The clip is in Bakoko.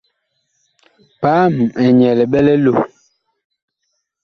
Paam ɛg nyɛɛ liɓɛ li loh.